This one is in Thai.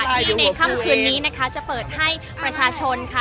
ที่ในค่ำคืนนี้นะคะจะเปิดให้ประชาชนค่ะ